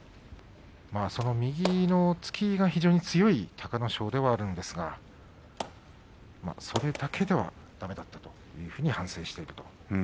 右の突きが非常に強い隆の勝ではあるんですがそれだけではだめだったというふうに反省していると。